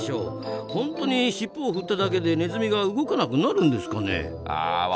本当にしっぽを振っただけでネズミが動かなくなるんですかね？